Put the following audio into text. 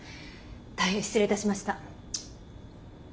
大変失礼いたしました。